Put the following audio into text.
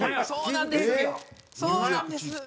そうなんですよ。